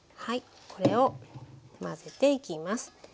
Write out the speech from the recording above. これを混ぜていきます。